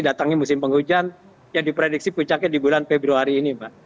datangnya musim penghujan yang diprediksi puncaknya di bulan februari ini pak